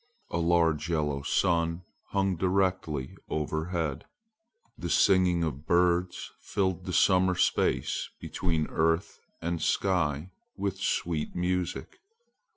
A large yellow sun hung directly overhead. The singing of birds filled the summer space between earth and sky with sweet music.